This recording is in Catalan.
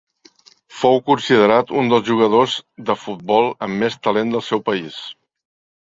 Fou considerat un dels jugadors de futbol amb més talent del seu país.